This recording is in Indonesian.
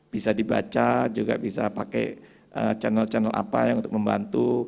bisa dibaca juga bisa pakai channel channel apa yang untuk membantu